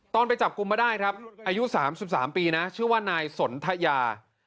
ตอนไปจับกุมมาได้อายุ๓๓ปีชื่อว่านายสนทยา